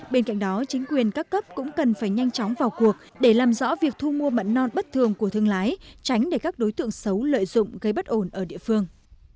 bên cạnh đó chính quyền các cấp cũng cần phải nhanh chóng vào cuộc để làm rõ việc thu mua mận non bất thường của thương lái tránh để các đối tượng xấu lợi dụng gây bất ổn ở địa phương